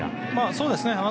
そうですね。